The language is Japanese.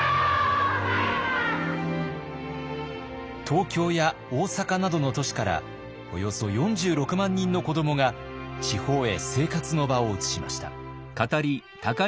東京や大阪などの都市からおよそ４６万人の子どもが地方へ生活の場を移しました。